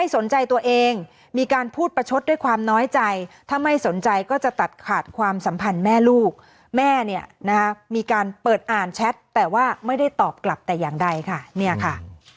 สนใจก็จะตัดขาดความสัมพันธ์แม่ลูกแม่เนี้ยนะคะมีการเปิดอ่านแชทแต่ว่าไม่ได้ตอบกลับแต่อย่างใดค่ะเนี้ยค่ะ